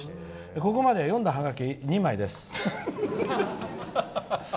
ここまで読んだハガキ２枚です。